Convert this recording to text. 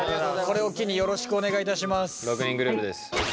これを機によろしくお願いいたします。